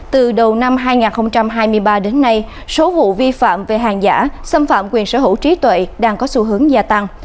từ đầu năm hai nghìn hai mươi ba đến nay số vụ vi phạm về hàng giả xâm phạm quyền sở hữu trí tuệ đang có xu hướng gia tăng